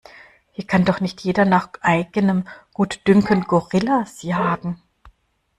Hier kann doch nicht jeder nach eigenem Gutdünken Gorillas jagen!